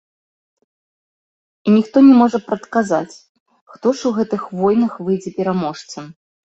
І ніхто не можа прадказаць, хто ж у гэтых войнах выйдзе пераможцам.